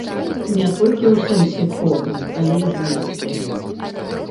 Не толькі ў сэнсе формы, але і зместу.